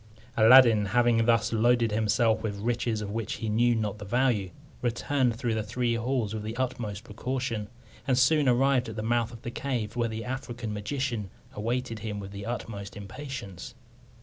Aladdin, having thus loaded himself with riches of which he knew not the value, returned through the three halls with the utmost precaution, and soon arrived at the mouth of the cave, where the African magician awaited him with the utmost impatience.